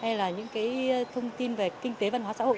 hay là những cái thông tin về kinh tế văn hóa xã hội